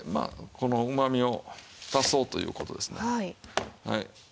このうまみを足そうという事ですね。